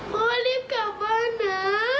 ว่ารีบกลับบ้านนะ